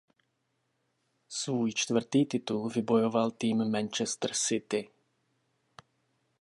Svůj čtvrtý titul vybojoval tým Manchester City.